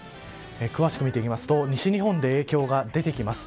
詳しく見ていくと西日本で影響が出てきます。